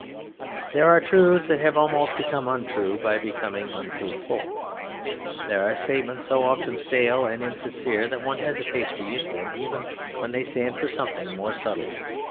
There are truths that have almost become untrue by becoming untruthful. There are statements so often stale and insincere that one hesitates to use them, even when they stand for something more subtle.